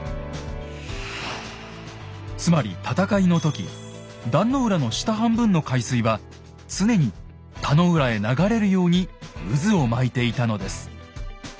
つまり戦いの時壇の浦の下半分の海水は常に田野浦へ流れるように渦を巻いていたのです。